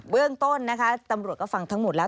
เรื่องต้นนะคะตำรวจก็ฟังทั้งหมดแล้ว